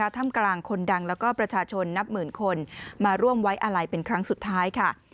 ถ้ำกลางคนดังแล้วก็ประชาชนนับหมื่นคนมาร่วมไว้อาลัยเป็นครั้งสุดท้ายค่ะ